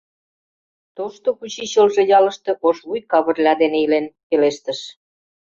Тошто учичылже ялыште Ошвуй Кавырля дене илен, — пелештыш.